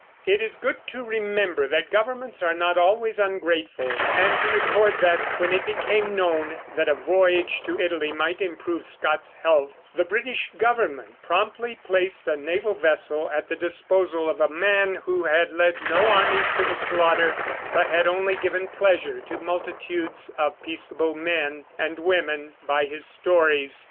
It is good to remember that governments are not always ungrateful, and to record that, when it became known that a voyage to Italy might improve Scott's health, the British government promptly placed a naval vessel at the disposal of a man who had led no armies to the slaughter, but had only given pleasure to multitudes of peaceable men and women by his stories.